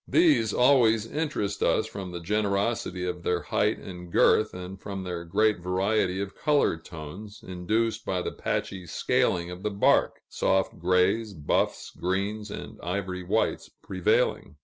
These always interest us from the generosity of their height and girth, and from their great variety of color tones, induced by the patchy scaling of the bark soft grays, buffs, greens, and ivory whites prevailing.